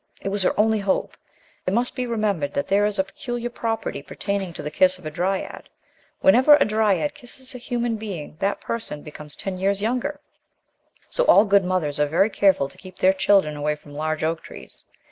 It was her only hope! It must be remembered that there is a peculiar property pertaining to the kiss of a dryad. Whenever a dryad kisses a human be ing, that person becomes ten years young er. So all good mothers are very careful to keep their children away from large oak trees.